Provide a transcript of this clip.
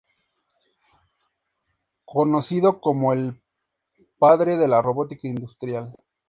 Conocido como el "Padre de la Robótica Industrial".